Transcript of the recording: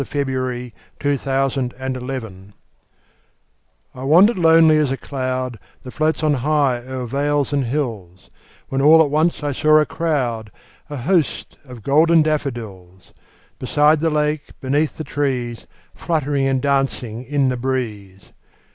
William Wordsworth I Wandered Lonely As a Cloud I WANDERED lonely as a cloud That floats on high o'er vales and hills, When all at once I saw a crowd, A host, of golden daffodils; Beside the lake, beneath the trees, Fluttering and dancing in the breeze.